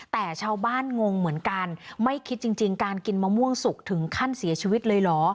แต่ชาวบ้านงงเหมือนกันไม่คิดจริงการกินมะม่วงสุกถึงขั้นเสียชีวิตเลยเหรอ